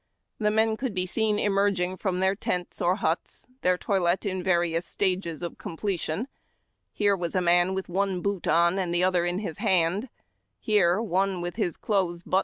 The men could be seen emerging from their tents or huts, their toilet in various stages of completion. Here was a man with one boot on, and the other in his hand ; here, one with his clothes but A DAY IN CAMP.